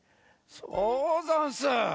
そうざんす。